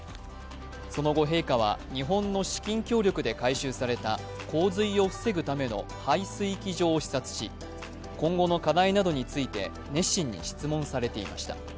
その後陛下は、日本の資金協力で改修された洪水を防ぐための排水機場を視察し、今後の課題などについて熱心に質問されていました。